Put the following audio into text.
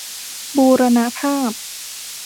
บูรณภาพ